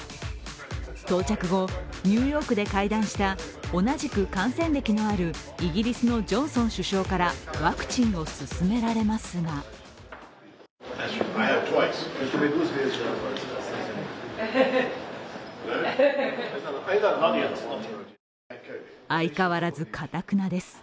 到着後、ニューヨークで会談した同じく感染歴のあるイギリスのジョンソン首相からワクチンを勧められますが相変わらず、かたくなです。